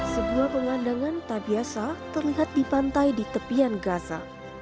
sebuah pemandangan tak biasa terlihat di pantai di tepian gaza